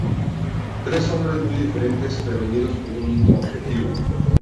Tres hombres muy diferentes pero unidos por un mismo objetivo.